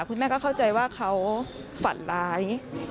คุณแม่ก็เข้าใจว่าเขาฝันร้าย